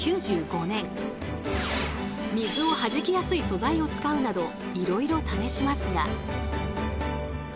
水をはじきやすい素材を使うなどいろいろ試しますが。